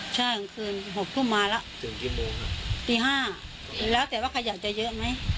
ทั้งคืนหกต้มมาแล้วตีห้าแล้วแต่ว่าใครอยากจะเยอะไหม